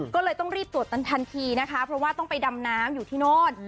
ก็เลยต้องรีบตรวจทันทีนะคะเพราะว่าต้องไปดำน้ำอยู่ที่โน่น